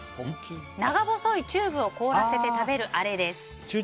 長細いチューブを凍らせて食べるあれです。